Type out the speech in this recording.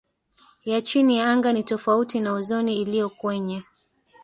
ya chini ya anga ni tofauti na ozoni iliyo kwenye